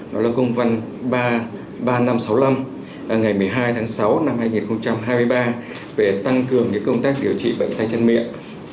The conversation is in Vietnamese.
đó là công văn ba nghìn năm trăm sáu mươi năm ngày một mươi hai tháng sáu năm hai nghìn hai mươi ba về tăng cường công tác điều trị bệnh tay chân miệng